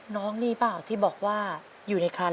น้องนี่เปล่าที่บอกว่าอยู่ในคัน